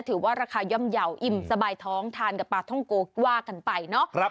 ถือว่าราคาย่อมเยาว์อิ่มสบายท้องทานกับปลาท่องโกว่ากันไปเนาะ